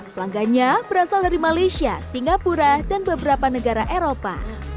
pelanggannya berasal dari malaysia singapura dan beberapa negara eropa